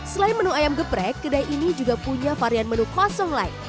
selain menu ayam geprek kedai ini juga punya varian menu kosong lain